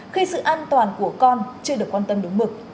khi sự an toàn của con chưa được quan tâm đúng mực